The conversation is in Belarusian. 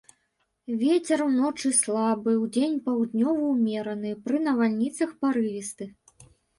Вецер уночы слабы, удзень паўднёвы ўмераны, пры навальніцах парывісты.